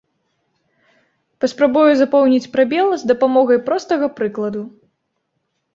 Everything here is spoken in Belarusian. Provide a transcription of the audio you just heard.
Паспрабую запоўніць прабел з дапамогай простага прыкладу.